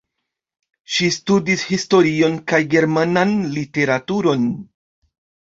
Ŝi studis historion kaj Germanan literaturon.